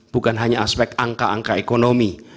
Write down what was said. bukan hanya aspek angka angka ekonomi